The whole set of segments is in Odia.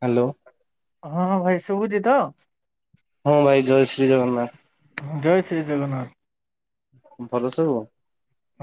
ହ୍ୟାଲୋ। ହଁ ଭାଇ ଶୁଭୁଛି ତ? ହଁ ଭାଇ ଜୟ ଶ୍ରୀ ଜଗନ୍ନାଥ। ଜୟ ଶ୍ରୀ ଜଗନ୍ନାଥ। ଭଲ ସବୁ।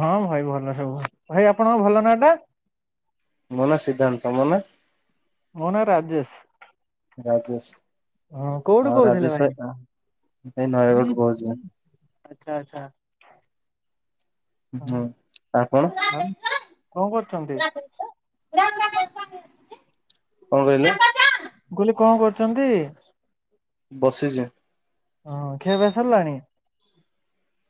ହଁ ଭାଇ ଭଲ ସବୁ ଭାଇ ଆପଣଙ୍କ ଭଲ ନାଁ ଟା? ମୋନା ସିଦ୍ଧାନ୍ତ। ତମ ନାଁ? ମୋ ନାଁ ରାଜେଶ। ହଁ ରାଜେଶ କୋଉଠୁ ଆଉ କହୁଥିଲେ ଭାଇ ରାଜେଶ ଭ ଭାଇନାଁ ନୟାଗଡ଼ରୁ କହୁଛି। ଆଛା ଆଛା। ଆପଣ ଆଉ କଣ କଣ କରୁଛନ୍ତି କହିଲେ? କହିଲି କଣ କରୁଛନ୍ତି? ବସିଛି। ଖିଆ ପିଆ ସରିଲାଣି।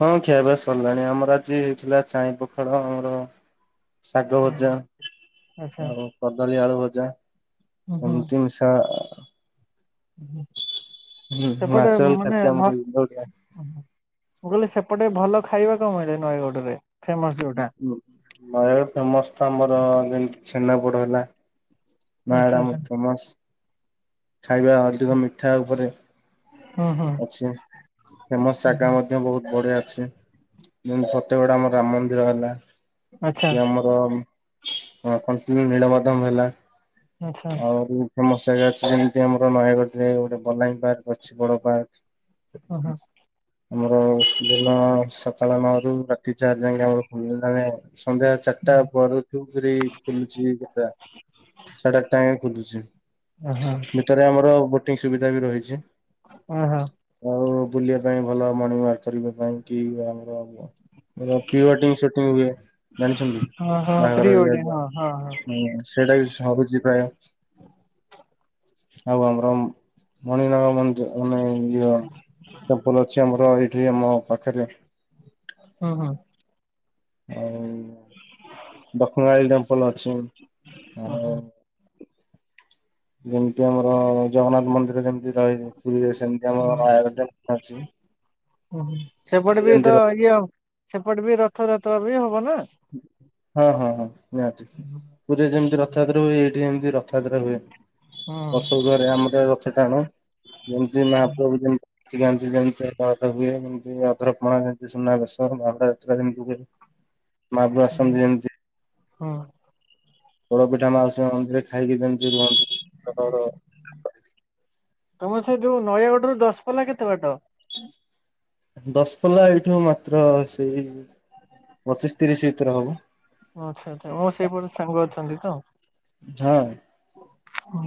ହଁ ଖିଆ ପିଆ ସରିଲାଣି ଆମର ଆଜି ହେଇଥିଲା ଚାଇ ପଖାଳ ଆମର ଶାଗ ଭଜା ଆଚ୍ଛା ଆଉ କଦଳୀ ଆଳୁ ଭଜା ହୁଁ ଏମିତି ମିଶା [inaudible] ମାସ ସେପଟେ ମାସ ମାନେ ଏକ୍ଜାମ ଭ ଦେଇ ହଉଥିଲା। ମୁଁ କହିଲି ସେପଟେ ଭଲ ଖାଇବା କଣ ମିଳେ ନୟାଗଡ଼ରେ ଫେମସ ଯୋଉଟା? ନାଇଁ ଫେମସ ଟା ମୋର ଯେମିତି ଛେନାପୋଡ ହେଲା। ଆଚ୍ଛା ମ୍ୟାଡାମ ଆଚ୍ଛା ଫେମସ୍ ଖାଇବା ଅଧିକ ମିଠା ଉପରେ। ହୁଁ ହୁଁ ଅଛି ଫେମସ ଶାଗା। ମଧ୍ୟ ବହୁତ ବଢିଆ ଅଛି ଯେମିତି ଫତେଗଡ ଆମର ରାମ ମନ୍ଦିର ହେଲା। ଆଚ୍ଛା ଯୋଉ ଆମର କଣ୍ଟିଲୋ ନୀଳମାଧବ ହେଲା ଆଚ୍ଛା ଆହୁରି। ଫେମସ ଜାଗା ଅଛି ଯେମିତି ଆମର ନୟାଗଡ଼ରେ ଗୋଟେ ବଲାଙ୍ଗୀ ପାର୍କ ଅଛି ବଡ ଓହୋ ପାର୍କ। ଆମର ଦିନ ସକାଳ ନଅରୁ ରାତି ଚାରି ଯାକେ ଆମର ଖୋଲିଲାଣି। ସନ୍ଧ୍ୟା ଚାରିଟା ପର ଠୁରି ଖୋଲୁଛି ହେଟା। ସାଢେ ଆଠଟା ଆଏ ଖୋଲୁଛି ଓହୋ ଭିତରେ ଆମର ବୋଟିଂ ସୁବିଧା ବି ରହିଛି। ଅ ହଁ- ଆଉ ବୁଲିବା ପାଇଁ ଭଲ ମର୍ଣ୍ଣିଂ ୱାର୍କ କରିବା ପାଇଁ କି ଆମର ରଫି ୱେଟିବି ସେଠି ହୁଏ ଜାଣିଛନ୍ତି ଓହୋ ପ୍ରି ବାହାଘର ଇଏ। ୱେଡିଙ୍ଗ ଦ ହଁ ହଁ ହଁ ହୁଁ ସେଇଟା ବି ସରୁଛି ପ୍ରାୟ ଆଉ ଆମରମ ମଣିନାଗ ବନ୍ଧ। ମାନେ ଇଏ ଡମକଳ ଅଛି ଆମର ଏଇଠି ଆମ ପାଖରେ। ହଁ ହଁ। ଆଉ ଦକ୍ଷିଣକାଳୀ ଟେମ୍ପଲୁ ଅଛି ଆଉ। ଓହୋ ଯେମିତି ଆମର ଜଗନ୍ନାଥ ମନ୍ଦିର ଯେମିତି ରହିଛି ପୁରୀରେ ସେମି ହୁଁ ଓହୋ ପୁରୀରେ ସେପଟେ ବି ଯେମିତି ତ ରଥ ଇଏ ସେପଟେ ବି ରଥଯାତ୍ର ବି ହବ ନା। ହଁ ହଁ ହଁ ନିହାତି ପୁରିରେ ଯେମିତି ରଥଯାତ୍ରା ହୁଏ ଏଇଠି ସେମିତି ରଥଯାତ୍ରା ହୁଏ। ହଁ ବର୍ଷକୁ ଥରେ ଆମର ରଥ ଟାଣୁ। ଯେମିତି ମହାପ୍ରଭୁ ଯେମିତି ଲୁଚି ଯାଆନ୍ତି ସେମିତି ଆଉ। ଯେମିତି ଅଧରପଣା ଯେମତି ସୁନାବେେଶ ବାହୁଡା ଯାତ୍ରା ଯେମିତି ହୁଏ। ମାହାପ୍ରଭୁ ଆସନ୍ତି ଯେମିତି। ହଁ ପୋଡ ପିଠା ମାଉସୀ ମା ମନ୍ଦିରେ ଖାଇକି ଯେମିତି ରୁହନ୍ତୁ। ତମର ସେ ଯୋଉ ନୟାଗଡ଼ରୁ ଦଶପଲା କେତେ ବାଟ? ଦଶପଲା ଏଇଠୁ ମାତ୍ର ସେଇ ପଚିଶ ତିରିଶ ଭିତରେ ହବ। ଆଚ୍ଛା ଆଚ୍ଛା ମୋର ସେଇପଟେ ସାଙ୍ଗ ଅଛନ୍ତି ତ। [unintelligible] ଅଁ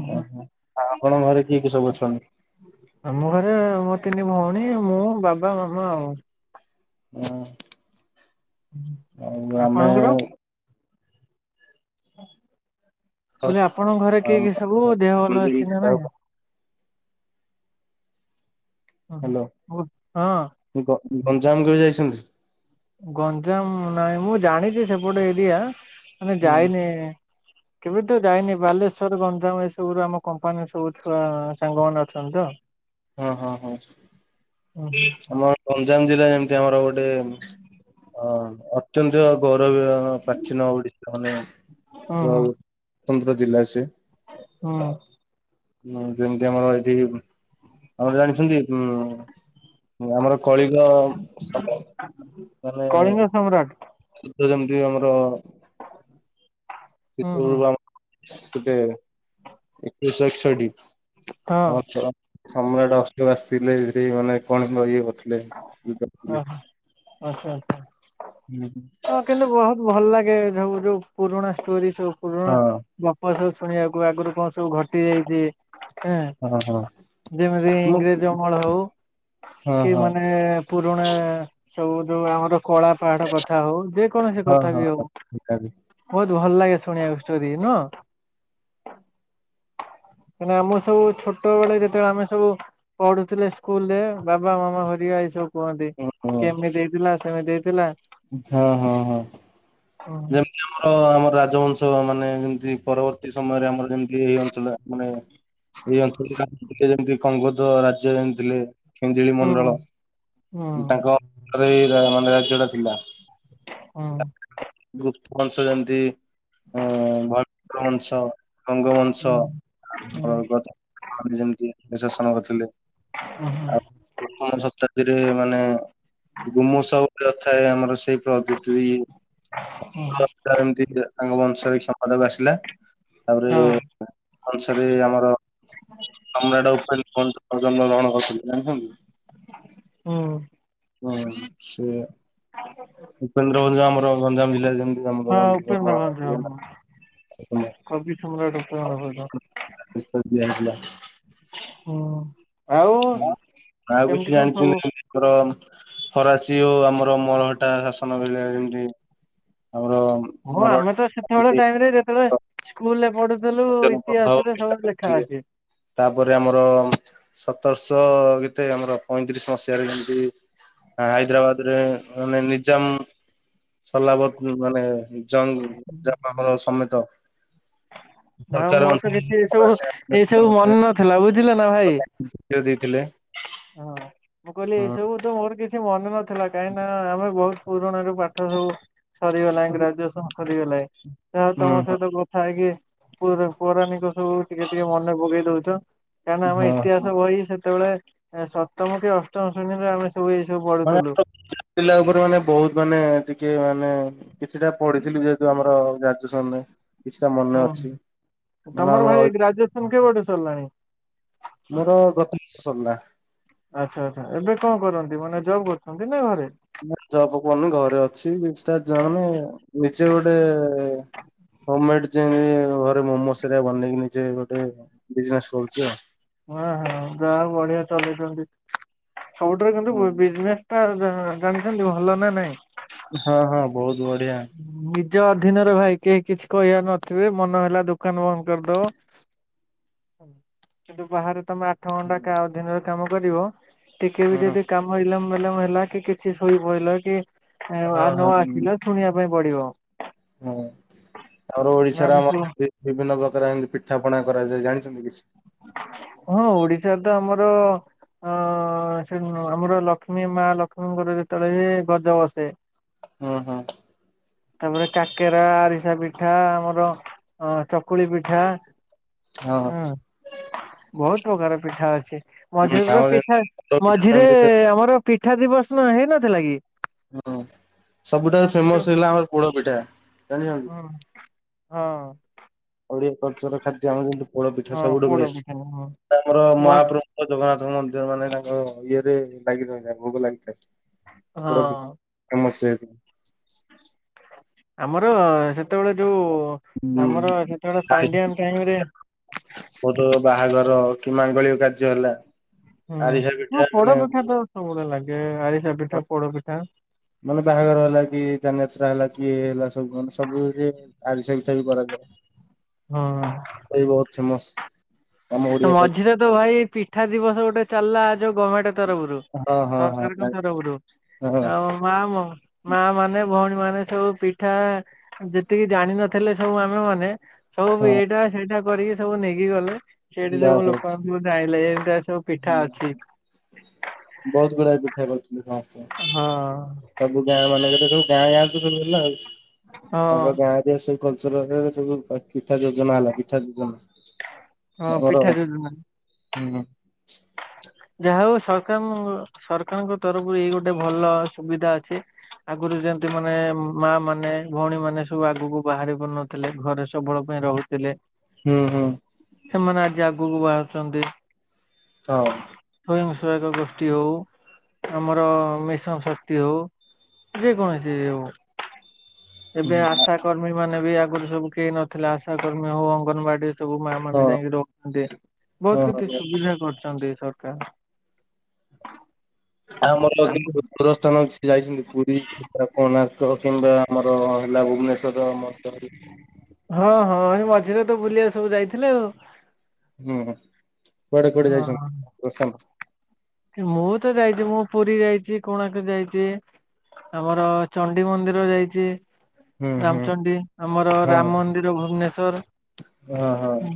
ହୋ ଆ ଆପଣଙ୍କ ଘରେ କିଏ କିଏ ସବୁ ଅଛନ୍ତି? ଆମ ଘରେ ମୋ ତିନି ଭଉଣୀ ମୁଁ ବାବା ମାମା ଆଉ। ଉଁ। ଆଉ ଆମେ ଆପଣଙ୍କର? ମୁଁ କହିଲି ଆପଣଙ୍କ ଘରେ କିଏ କିଏ ସବୁ ଦେହ ଭଲ ଅଛି ନା ହ୍ୟାଲୋ ନାଇଁ? ଉଁ ହୁଁ ବୋହୁତ୍ ହଁ। ଗ-ଗଞ୍ଜାମ କେବେ ଯାଇଛନ୍ତି? ଗଞ୍ଜାମ ନାଇଁ ମୁଁ ଜାଣିଛି ସେପଟେ ଏରିଆ ମାନେ ହଁ ଯାଇନି। କେବେ ତ ଯାଇନି ବାଲେଶ୍ଵର ଗଞ୍ଜାମ ଏସବୁରୁ ଆମ କମ୍ପାନୀ ସବୁ ଛୁଆ ସାଙ୍ଗମାନେ ଅଛନ୍ତି ତ। ଅଁ ହଁ ହଁ ହୁଁ ହୁଁ ଆମ ଗଞ୍ଜାମ ଜିଲ୍ଲାରେ ଏମିତି ଆମର ଗୋଟେ ଉଁ ମ୍ ହଁ ଅତ୍ୟନ୍ତ ଗୌରବିୟ ହଁ ପ୍ରାଚୀନ ଓଡ଼ିଶା ମାନେ ହୁଁ ଯୋଉ ସ୍ୱତନ୍ତ୍ର ଜିଲ୍ଲା ସିଏ। ହଁ। ହୁଁ ଯେମିତି ଆମର ଏଇଠି ଆଉ ଜାଣିଛନ୍ତି ଉଁ ଆମର କଳିଙ୍ଗ ସାମ୍ରାଜ୍ୟ ମାନେ କଳିଙ୍ଗ ସମ୍ରାଟ ଯୁଦ୍ଧ ଯେମିତି ଆମର ହୁଁ ହୁଁ [unintelligible] ଏକୋଇଶ ଏକଷଠି ହଁ ହ ଛ ସମ୍ରାଟ [unintelligible] ଆସିଥିଲେ ସେ ସେଠି ମାନେ କଣ ମରି [unintelligible] ଥିଲେ [unintelligible] କରିଥଲେ ଓହୋ ଆଚ୍ଛା ଆଚ୍ଛା। [unintelligible] ହଁ କିନ୍ତୁ ବୋହୁତ ଭଲ ଲାଗେ ସବୁ ଯୋଉ ପୁରୁଣା ଷ୍ଟୋରି ସବୁ ପୁରୁଣା ହଁ ଗ ପ ସବୁ ଶୁଣିବାକୁ ଆଗରୁ କଣ ସବୁ ଘଟି ଯାଇଛି। ହେଁ ହଁ ହଁ ଯେମିତି ମୁଁ ଇଂରେଜ ଅମଳ ହଉ। ହଁ କି ହଁ ମାନେ ପୁରୁଣା ସବୁ ଯୋଉ ଆମର କଳା ପାହାଡ଼ ପ କଥା ହଉ ଯେ କୌଣସି ହଁ କଥା ବି ହଉ ହଁ ହଁ। ବୋହୁତ ଭଲ ଲାଗେ ଶୁଣିବାକୁ ଷ୍ଟୋରି ନୁହଁ? କାଇଁକି ନା ଆମ ସବୁ ଛୋଟବେଳେ ଯେତେ ଆମେ ସବୁ ପଢ଼ୁଥିଲେ ସ୍କୁଲ ରେ ବାବା ମାମା ହେରିଆ ଏଇ ସବୁ କୁହନ୍ତି କେମିତି ହେଇଥିଲା ସେମିତି ହେଇଥିଲା। ହଁ ହଁ ହଁ ହୁଁ ଯେ ଆମର ଆମର ରାଜବଂଶ ମାନେ ଯେମିତି ପରବର୍ତ୍ତୀ ସମୟରେ ଆମର ଯେମତି ଇଏ ହେଉଥିଲା [unintelligible] ଯେମିତି କଙ୍ଗୋଦ ରାଜ୍ୟ ଯେମି ଥିଲେ। ମନ୍ତ୍ରୀ ହୁଁ ମଣ୍ଡଳ ହୁଁ ତାଙ୍କ [inaudible] ମାନେ ରାଜ୍ୟଟା ଥିଲା। ହଁ। ଗୁପ୍ତ ବଂଶ ଯେମିତି। ହଁ ହଁ ଭ [inaudible] ବଂଶ ଗଙ୍ଗ ବଂଶ ହୁଁ ଆମର ଗଜ [unintelligible] ଯେମିତିକି [unintelligible] ଶାସନ କରୁଥିଲେ। ଅଁ ହଁ। ପ୍ରଥମ ଶତାବ୍ଦୀରେ ମାନେ ଗୁମୁସ [unintelligible] ଗୋଟେ ଥାଏ ଆମର ସେଇ ପ୍ରଦି [unintelligible] ହଁ [unintelligible] ଏମିତି ତାଙ୍କ ବଂଶରେ କ୍ଷମତାକୁ ଆସିଲା ତାପରେ ବଂଶରେ ଆମର ସମ୍ରାଟ ଉପେନ୍ଦ୍ରଭଞ୍ଜ ଜନ୍ମ ଗ୍ରହଣ କରିଥିଲେ ଜାଣିଛନ୍ତି? ହୁଁ। ହଁ ସେୟା। ଆ [unintelligible] ଉପେନ୍ଦ୍ର ଉଞ୍ଜ ଆମର ଗଞ୍ଜାମ ଜିଲ୍ଲାରେ ଯେମିତି ଆମର ହଁ ଉପେନ୍ଦ୍ର ଭଞ୍ଜ କବି ସମ୍ରାଟ ଉପେନ୍ଦ୍ର ଭଞ୍ଜ [unintelligible] ଦିଆହେଇଥିଲା। ହୁଁ ଆଉ ଆଉ କିଛି କେମିତି କଣ ଜାଣିଛନ୍ତି ସବୁ? ଆମର ଫରାସୀ ଓ ଆମର ମଳହଟା ଶାସନ ବେଳେ ଯେମିତି ଆମର ହଁ ମରହଟା ଆମେ ତ ସେତେବେଳେ ଟାଇମରେ ଯେତେବେଳେ ସ୍କୁଲ ରେ ପଢୁଛୁ ଥିଲୁ ଇତିହାସରେ ସବୁ ଲେଖା ଅଛି। ତାପରେ ଆମର ସତରଶହ କେତେ ଆମର ପଇଁତିରିଶ ମସିହାରେ ଯେମତି ହାଇଦ୍ରାବାଦ ରେ ମାନେ ନିଜାମ ସଲାବତ ମାନେ ଜଙ୍ଗ ଜାପରଙ୍କ ସମେତ ହଁ ସରକାର ମୋର ତ କିଛି ଏ ଅନୁଦାନ ସବୁ ରାଶି ଏସବୁ ମନେ ନଥିଲା ବୁଝିଲ ନା ଭାଇ। ଦେଇଥିଲେ। ହଁ ମୁଁ କହିଲି ହଁ। ଏଇସବୁ ତ ମୋର କିଛି ମନେ ନଥିଲା କାହିଁକି ନା ଆମେ ବହୁତ ପୁରୁଣା ପାଠ ସବୁ ସରିଗଲାଣି ହୁଁ ଗ୍ରାଜୁଏସନ ସରିଗଲାଣି ଯାହା ହଉ ହଁ ତମ ହଁ। ସହିତ ଗପି ଥାଇ କି ପୌର ପୌରାଣିକ ସବୁ ଟିକେ ଟିକେ ମନେ ପକେଇ ଦଉଛ। କାହିଁକିନା ଆମ ହଁ। ଇତିହାସ ବହି ସେତେବେଳେ ସପ୍ତମ କି ଅଷ୍ଟମ ଶ୍ରେଣୀରେ ଆମେ ସବୁ ଏଇ ସବୁ ମାନେ ପଢୁଥିଲୁ। ଆମର ପିଲା ଉପରେ ମାନେ ବହୁତ ମାନେ ଟିକେ ମାନେ କିଛିଟା ପଢିଥିଲି ଯେହେତୁ ଆମର ଗ୍ରାଜୁଏସନ ରେ ହୁଁ ତମର ଆମର ଭାଇ ଗ୍ରାଜୁଏସନ କେବେ ଠୁ ସରିଲାଣି? ମୋର ଗତବର୍ଷ ସରିଲା। ଆଚ୍ଛା ଆଚ୍ଛା ଏବେ କଣ କରନ୍ତି ମାନେ ଜବ୍ କରୁଛନ୍ତି ନା ଘରେ? ନା ଜବ କରିନି ଘରେ ଅଛି। ନିଜେ ଗୋଟେ ହୋମ୍ ମେଡ୍ ଯ ଘରେ ମୋମୋ ସେଟା ବନେଇକି ନିଜେ ଗୋଟେ ବିଜନେସ୍ କରୁଛି ଆଉ। ହ ହ ଯାହା ହୋଉ ବଢିଆ ଚଲେଇଛନ୍ତି। ସବୁଠାରୁ କିନ୍ତୁ ବି ବିଜନେସ୍ ଟା ଜାଣିଛନ୍ତି ଭଲ ନା ନାଇଁ? ହଁ ହଁ ବହୁତ ବଢ଼ିଆ। ନିଜ ଅଧୀନରେ ଭାଇ କେହି କିଛି କହିବାର ନଥିବେ ମନ ହେଲା ଦୋକାନ ବନ୍ଦ କରିଦବ। କିନ୍ତୁ ବାହାରେ ତମେ ଆଠ ଘଣ୍ଟା କା ଅଧିନରେ କାମ କରିବ ଟିକେ ହଁ ବି ହଁ। ଯଦି କାମ ଇଲମ୍ ମିଲମ୍ ହେଲା କି କିଛି ଶୋଇପଡ଼ିଲ କି ନ ଆସିଲ ଶୁଣିବା ପାଇଁ ପଡିବ। ହଁ ଆମର ନା ଓଡିଶାର ଆମେ ସବୁ ଆମର ଯୋଉଠି ବିଭିନ୍ନ ପ୍ରକାର ଏମିତି ପିଠା ପଣା କରାଯାଏ ଜାଣିଛନ୍ତି କିଛି? ହଁ ଓଡିଶା ତ ଆମର ହ ସେ ଆମର ଲକ୍ଷ୍ମୀ ମା ଲକ୍ଷ୍ମୀଙ୍କର ଯେତେବେଳେ ବି ଗଜ ବସେ ହୁଁ ହୁଁ। ତାପରେ କାକେରା ଆରିସା ପିଠା ଆମର ଅ ଚକୁଳି ପିଠା। ହଁ। ହୁଁ ବହୁତ ପ୍ରକାର ପିଠା ଅଛି। ହୁଁ ମଝିରେ ତ ଆମର ପିଠା ଯେମିତି ପୋଡ ପିଠା ମଝିରେ ଏମିତି ହୁଁ ଆମର ପିଠା ଦିବସନ ହେଇନଥିଲା କି? ହୁଁ ସବୁଠାରୁ ଏଇ ଯୋଉ ଫେମସ ହେଇଥିଲା ଆମର ପୋଡ ପିଠା ଜାଣିଛନ୍ତି। ହଁ ହଁ। ଓଡିଆ କଲ୍ଚର ଖାଦ୍ୟ ଆମର ଯେମିତି ପୋଡ ପିଠା ହଁ ସବୁଠୁ ପୋଡ ବେଷ୍ଟ। ପିଠା ହଁ ଆମର ହଁ ମହାପ୍ରଭୁ ଜଗନ୍ନାଥଙ୍କ ମନ୍ଦିର ମାନେ ତାଙ୍କ ଇଏ ରେ ଲାଗି ରହିଥା ଭୋଗ ଲାଗିଥାଏ। ପୋଡ଼ ପି ଫେମସ୍ ସେଇଠି। ଆମର ସେତେବେଳେ ଯୋଉ ହୁଁ ଆମର ସେତେବେଳେ ପାଣ୍ଡିଆନ ଟାଇମରେ ବହୁତ ବାହାଘର କି ମାଙ୍ଗଳିକ କାର୍ଯ୍ୟ ହେଲା ହୁଁ ଆରିସା ପିଠା ହ ପୋଡପିଠା ତ ମାନେ ସବୁବେଳେ ଲାଗେ ଆରିସା ପିଠା ପୋଡପିଠା। ମାନେ ବାହାଘର ହେଲା କି ଯାନଯାତ୍ରା ହେଲା କି ହେଲା ସବୁ ମାନେ ସବୁ ଆରିସା ପିଠା ବି ହଁ କରାଯାଏ। ସେ ବି ବହୁତ ଫେମସ। ମଝିରେ ତ ଭାଇ ପିଠା ଦିବସ ଗୋଟେ ଚାଲିଲା ଯୋଉ ଗମେଣ୍ଟ ତରଫରୁ। ହଁ ହଁ ହଁ ସରକାର କ ଜାଣିଲି ତରଫରୁୁ ହଁ ଆଉ ମା ମ ମା ମାନେ ଭଉଣୀ ମାନେ ସବୁ ପିଠା ଯେତିକି ଜାଣିନଥିଲେ ସବୁ ଆମେ ମାନେ ସବୁ ହଁ ଏଇଟା ସେଇଟା କରିକି ସବୁ ନେଇକି ଗଲେ। ସେଇଟି ସବୁ ବାସ୍ ଲୋକ ବାସ୍ ଆମକୁ ଚାହିଁଲେ ଏମତିଆ ସବୁ ହୁଁ ପିଠା ଅଛି। ହୁଁ। ବହୁତ ଗୁଡାଏ ପିଠା କରୁଥିଲେ ସମସ୍ତେ। ହଁ। ସବୁ ଗାଁ ମାନେଙ୍କରେ ସବୁ ଗାଁ ଗାଆକୁ ସବୁ ହେଲା ଆଉ ହଁ ତାଙ୍କ ଗାଁ ସେଇ କଲଚରରେ ସବୁ ପିଠା ଯୋଜନା ହେଲା ପିଠା ଯୋଜନା। ହଁ ଆମର ପିଠା ହୁଁ। ଯୋଜନା। ଯାହା ହଉ ସରକାର ସରକାରଙ୍କ ତରଫରୁ ଏଇ ଗୋଟେ ଭଲ ସୁବିଧା ଅଛି। ଆଗରୁ ଯେମତି ମାନେ ମା ମାନେ ଭଉଣୀ ମାନେ ସବୁ ଆଗକୁ ବାହାରି ପାରୁନଥିଲେ ଘରେ ସବୁବେଳ ପାଇଁ ରହୁଥିଲେ। ହୁଁ ହୁଁ। ସେମାନେ ଆଜି ଆଗକୁ ବାହାରୁଛନ୍ତି। ହଁ। ସ୍ଵୟଂସହାୟକ ଗୋଷ୍ଠୀ ହଉ ଆମର ମିଶନ ଶକ୍ତି ହଉ। ଯେକୌଣସି ଇଏ ହୋଉ। ଏବେ ଆଶା କର୍ମୀ ମାନେ ବି ଆଗରୁ ସବୁ କେଇ ନଥିଲେ ଆଶା କର୍ମୀ ହଉ ଅଙ୍ଗନବାଡି ସବୁ ମା ମାନେ ହଁ ଯାଇକି ରହୁଛନ୍ତି ହଁ ବହୁତ କିଛି ହଁ। ସୁବିଧା କରଛନ୍ତି। ସରକାର। ଆ ଆମର ଆଗ [unintelligible] ଦୂରସ୍ଥାନ ଯାଇଛନ୍ତି ପୁରୀ। କୋଣାର୍କ କିମ୍ବା ଆମର ହେଲା ଭୁବନେଶ୍ୱର ମନ୍ଦିର ହଁ ହଁ ହେ ମଝିରେ ତ ବୁଲିଆ ସବୁ ଯାଇଥିଲେ ଆଉ। ହୁଁ ହୁଁ କୁଆଡେ କୁଆଡେ ଯାଇଛନ୍ତି, ହଁ [unintelligible] ମୁଁ ତ ଯାଇଚି ମୁଁ ପୁରୀ ଯାଇଛି କୋଣାର୍କ ଯାଇଚି। ଆମର ଚଣ୍ଡି ମନ୍ଦିର ଯାଇଚି। ହୁଁ ହୁଁ ରାମଚଣ୍ଡୀ ଆମର ହଁ ରାମ ମନ୍ଦିର ଭୁବନେଶ୍ଵର। ହଁ ହଁ ହୁଁ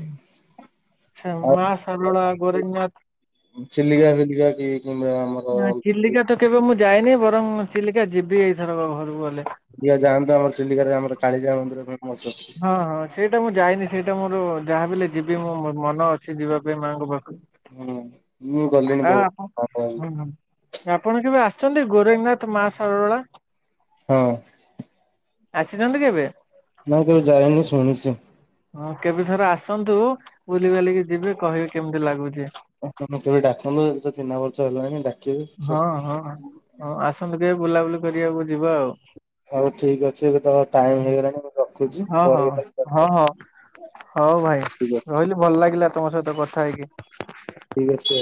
ସେ ଆଉ ମା ସାଲୋଳା ଗୋରଙ୍ଗନାଥ। ଚିଲିକା ଫିଲିକା କି କି ଆମର ନା ଚିଲିକା ତ କେବେ ମୁଁ ଯାଇନି ବରଂ ଚିଲିକା ଯିବି ଏଇଥରକ ଘରକୁ ଗଲେ। ଚିଲ୍ଲିକା ଯାଆନ୍ତୁ ଆମର ଚିଲିକାରେ ଆମର କାଳିଜାଇ ମନ୍ଦିର ଫେମସ ଅଛି। ହଁ ହଁ ସେଇଟା ମୁଁ ଯାଇନି ସେଇଟା ମୋର ଯାହା ବି ହେଲେ ଯିବି ମୁଁ ମନ ଅଛି ଯିବା ପାଇଁ ମାଙ୍କ ପାଖ ହୁଁ ମୁଁ ଗଲିଣି ଆପଣ ବହୁତ [unintelligible] ହୁଁ ହୁଁ ଆପଣ କେବେ ଆସିଛନ୍ତି ଗୋରେଙ୍ଗୀନାଥ ମା ସାରଳା। ହଁ। ଆସିଚନ୍ତି କେବେ? ନା କେବେ ଯାଇନି ଶୁଣିଚି। ହଁ କେବେ ଥରେ ଆସନ୍ତୁ ବୁଲି ବାଲିକି ଯିବେ କହିବେ କେମିତି ଲାଗୁଚି। ତମେ କେବେ ଡାକନୁଏବେ ତ ଚିହ୍ନା ପର୍ଚ ହେଲାଣି ଡାକିବେ କିଛି ଅସୁବିଧା ହଁ ହଁ। ହଁ ଆସନ୍ତୁ କେବେ ବୁଲାବୁଲି କରିବାକୁ ଯିବା ଆଉ। ହଉ ଠିକ ଅଛି, ଏବେ ତ ଟାଇମ ହେଇଗଲାଣି ମୁଁ ରଖୁଛି ହଁ ହଁ ପରେ କେତଲେ ହଁ ହଁ ହଉ ଭାଇ ଠିକ ଅଛି। ରହିଲି ଭଲ ଲାଗିଲା ତମ ସହିତ କଥା ହେଇକି। ଠିକ୍ ଅଛି।